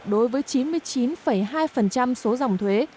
đối với chín mươi chín hai số dòng thuế